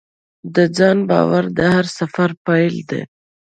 د ځان باور د هر سفر پیل دی.